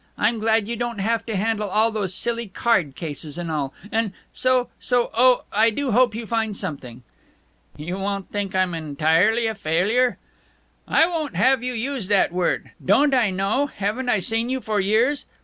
I'm glad you don't have to handle all those silly card cases and all. And so so oh, I do hope you find something." "You won't think I'm entirely a failure?" "I won't have you use that word! Don't I know haven't I seen you for years?